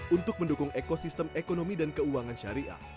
untuk mendukung ekosistem ekonomi dan keuangan syariah